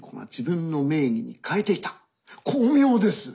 巧妙です